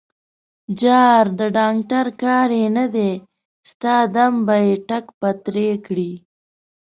_جار، د ډانګټر کار يې نه دی، ستا دم به يې ټک پتری کړي.